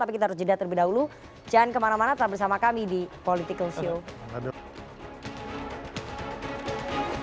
tapi kita harus jeda terlebih dahulu jangan kemana mana tetap bersama kami di political show